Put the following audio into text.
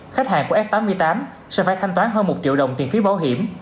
khách hàng của f tám mươi tám sẽ phải thanh toán hơn một triệu đồng tiền phí bảo hiểm